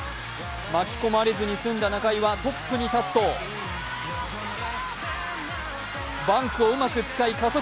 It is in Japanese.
巻き込まれずに済んだ中井はトップに立つとバンクをうまく使い、加速。